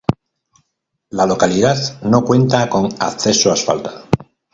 La localidad no cuenta con acceso asfaltado.